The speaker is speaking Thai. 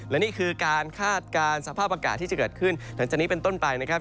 และนี่คือการคาดการณ์สภาพอากาศที่จะเกิดขึ้นหลังจากนี้เป็นต้นไปนะครับ